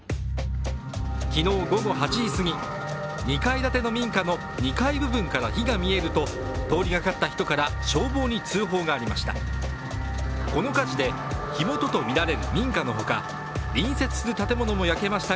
昨日午後８時すぎ２階建ての民家の２階部分から火が見えると通りかかった人から消防に通報がありました。